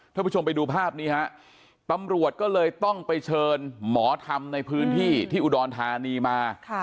ท่านผู้ชมไปดูภาพนี้ฮะตำรวจก็เลยต้องไปเชิญหมอธรรมในพื้นที่ที่อุดรธานีมา